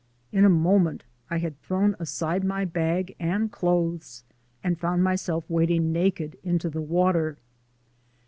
In a moment I had thrown aside my bag and clothes and found myself wading naked into the water.